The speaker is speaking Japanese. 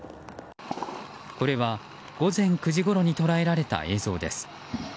これは午前９時ごろに捉えられた映像です。